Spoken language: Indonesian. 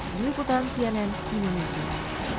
mengikutan cnn indonesia